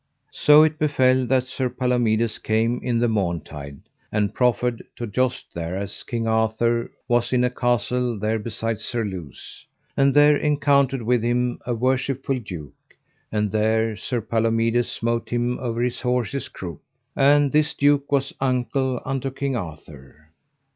So it befell that Sir Palomides came in the morntide, and proffered to joust thereas King Arthur was in a castle there besides Surluse; and there encountered with him a worshipful duke, and there Sir Palomides smote him over his horse's croup. And this duke was uncle unto King Arthur.